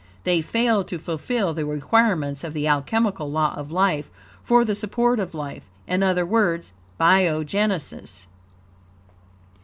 They fail to fulfill the requirements of the alchemical law of life for the support of life in other words, biogenesis.